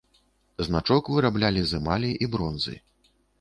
Значок выраблялі з эмалі і бронзы.